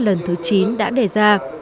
lần thứ chín đã đề ra